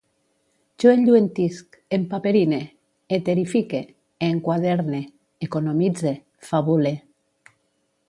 Jo enlluentisc, empaperine, eterifique, enquaderne, economitze, fabule